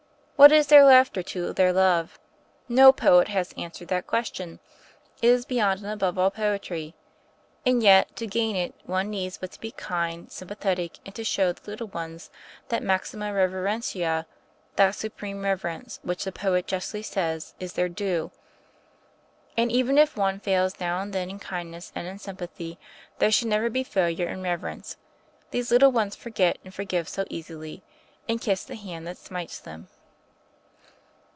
What is their laughter to their love ? No poet has answered that question. It is beyond and above all poetry. And yet, to gain it, one needs but to be kind, sympathetic, and to show the little ones that maxima reverentia — ^that supreme reverence, which, the poet justly says, is their due. And even if one fails now and then in kindness and in sympathy — there should never be failure in reverence — these little ones forget and forgive so easily, and kiss the hand that smites them.